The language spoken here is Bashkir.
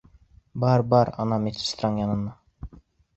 Бар, бар, ана медсестраң янына.